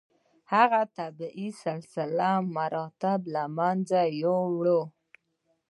هغه طبیعي سلسله مراتب له منځه یووړه.